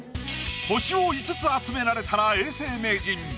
星を５つ集められたら永世名人。